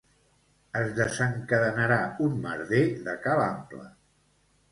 Es desencadenarà un merder de ca l'ample.